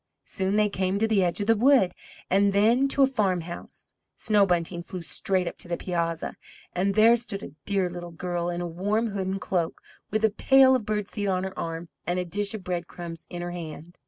Soon they came to the edge of the wood, and then to a farmhouse. Snow Bunting flew straight up to the piazza, and there stood a dear little girl in a warm hood and cloak, with a pail of bird seed on her arm, and a dish of bread crumbs in her hand.